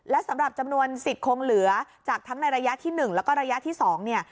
และสำหรับจำนวนสิทธิ์คงเหลือจากทั้งในระยะที่๑แล้วก็ระยะที่๒เนี่ย